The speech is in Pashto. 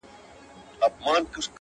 زه کرمه سره ګلاب ازغي هم را زرغونه سي,